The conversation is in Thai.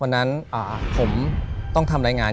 ถูกต้องไหมครับถูกต้องไหมครับ